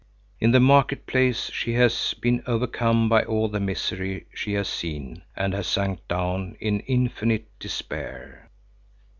In the market place she has been overcome by all the misery she has seen and has sunk down in infinite despair.